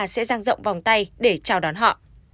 sẽ răng rộng vòng tay để chào đón họ